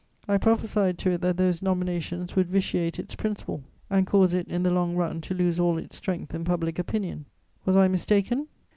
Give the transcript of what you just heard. I prophesied to it that those nominations would vitiate its principle and cause it, in the long run, to lose all its strength in public opinion: was I mistaken?